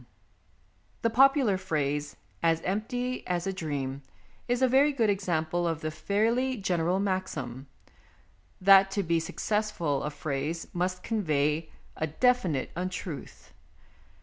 ON DREAMS 109 The popular phrase " as empty as a dream " is a very good example of the fairly general maxim, that to be successful a phrase must convey a definite untruth.